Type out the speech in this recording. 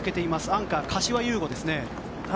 アンカー、柏優吾ですね。